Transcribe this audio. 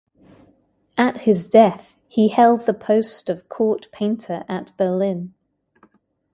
At his death he held the post of court painter at Berlin.